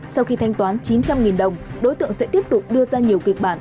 sau khi thanh toán chín trăm linh đồng đối tượng sẽ tiếp tục đưa ra nhiều kịch bản